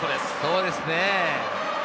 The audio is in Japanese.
そうですね。